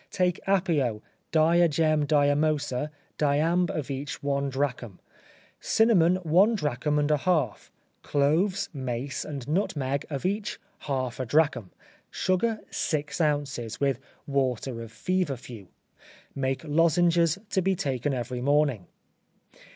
Take apeo, diagem. diamoser, diamb. of each one drachm; cinnamon, one drachm and a half; cloves, mace and nutmeg, of each half a drachm; sugar six ounces, with water of feverfew; make lozenges, to be taken every morning.